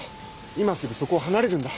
今すぐそこを離れるんだ。